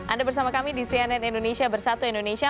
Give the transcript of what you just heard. anda bersama kami di cnn indonesia bersatu indonesia